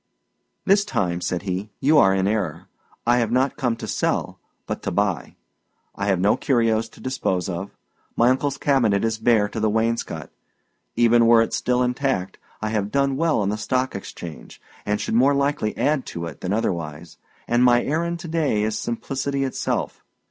"This time," said he, "you are in error. I have not come to sell, but to buy. I have no curios to dispose of; my uncle's cabinet is bare to the wainscot; even were it still intact, I have done well on the Stock Exchange, and should more likely add to it than otherwise, and my errand to day is simplicity itself.